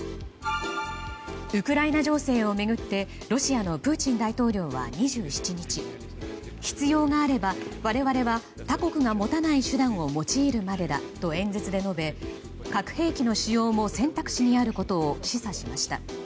ウクライナ情勢を巡ってロシアのプーチン大統領は２７日必要があれば我々は他国が持たない手段を用いるまでだと演説で述べ核兵器の使用も選択肢にあることを示唆しました。